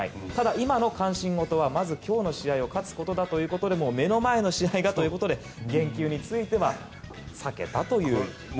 ただ、今の関心ごとはまず今日の試合を勝つことだということで目の前の試合がということで言及については避けたという。